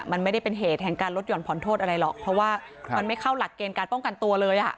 มันไม่ได้เป็นเหตุแห่งการลดห่อนผ่อนโทษอะไรหรอกเพราะว่ามันไม่เข้าหลักเกณฑ์การป้องกันตัวเลยอ่ะ